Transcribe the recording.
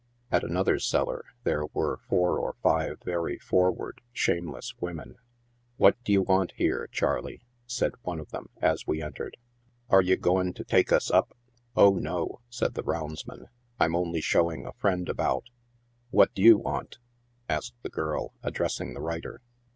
At another cellar there were four or five very forward, shameless women. " What d'ye want here, Charley ?'' said one of them, as we en tered, " Ar' ye goin' to take us up ?"" Oh, no !" said the roundsman ;" I'm only showing a friend about," " What d'ye want ?" asked the girl, addressing the writer.